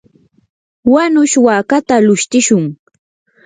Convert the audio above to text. wanush wakata lushtishun.